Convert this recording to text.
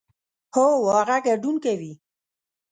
هو، هغه ګډون کوي